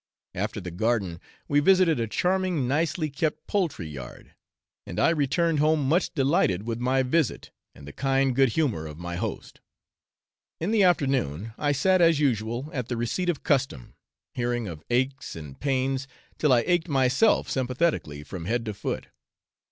After the garden, we visited a charming nicely kept poultry yard, and I returned home much delighted with my visit and the kind good humour of my host. In the afternoon, I sat as usual at the receipt of custom, hearing of aches and pains, till I ached myself sympathetically from head to foot.